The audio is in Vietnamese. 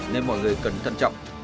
nên mọi người cần thận trọng